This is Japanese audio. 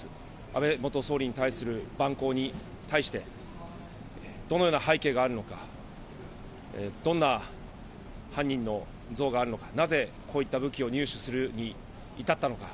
安倍元総理に対する蛮行に対して、どのような背景があるのか、どんな犯人の憎悪があるのか、なぜこういった武器を入手するに至ったのか、